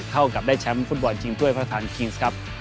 เท่ากับได้แชมป์ฟุตบอลชิงถ้วยพระทานคิงส์ครับ